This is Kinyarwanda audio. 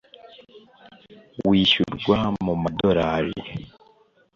wishyurwa mu madorali